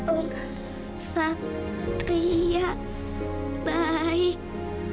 om satria baik